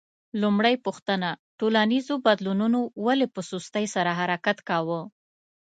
لومړۍ پوښتنه: ټولنیزو بدلونونو ولې په سستۍ سره حرکت کاوه؟